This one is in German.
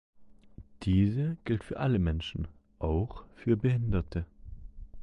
Diese gilt für alle Menschen, auch für Behinderte.